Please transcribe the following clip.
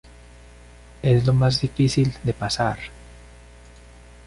Es lo más difícil de pasar.